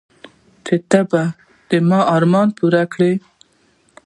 چې ته به د ما ارمان پوره كيې.